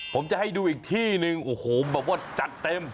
ผมจะให้ดูอีกที่หนึ่งโอ้โหแบบว่าจัดเต็ม